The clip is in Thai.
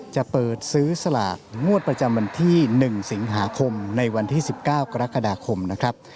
จะเปิดซื้อสลากงวดประจำวันที่๑สิงหาคมในวันที่๑๙กรกฎาคมนะครับ